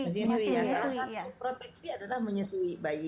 menyusui ya salah satu proteksi adalah menyusui bayi